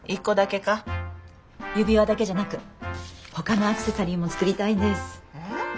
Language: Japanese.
指輪だけじゃなくほかのアクセサリーも作りたいんです。